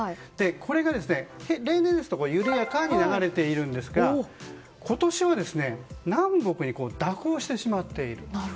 これが、例年ですとゆるやかに流れているんですが今年は南北に蛇行してしまっている。